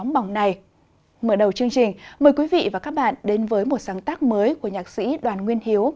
mở đầu chương trình mời quý vị và các bạn đến với một sáng tác mới của nhạc sĩ đoàn nguyên hiếu